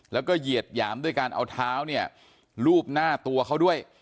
แล้วก็เหยียดหยามด้วยการเอาเท้าเนี่ยรูปหน้าตัวเขาด้วย